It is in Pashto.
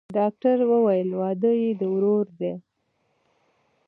ډاکتر وويل واده يې د ورور دىه.